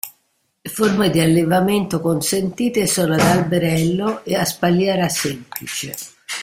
Le forme di allevamento consentite sono ad alberello ed a spalliera semplice.